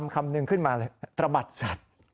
คำนึงขึ้นมาเลยตระบัดสัตว์